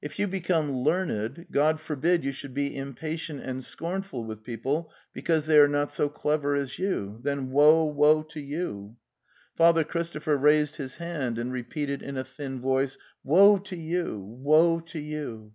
If you become learned, God forbid you should be impatient and scornful with people because they are not so clever as you, then woe, woe to you!"' Father Christopher raised his hand and repeated in a thin voice: "Woe to you! Woe to you!"